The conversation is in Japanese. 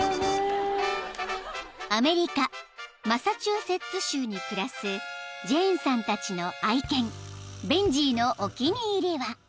［アメリカマサチューセッツ州に暮らすジェーンさんたちの愛犬ベンジーのお気に入りは］